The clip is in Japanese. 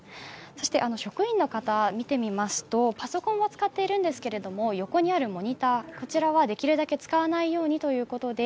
そして職員の方を見てみますと、パソコンは使っていますが横にあるモニターはできるだけ使わないようにということで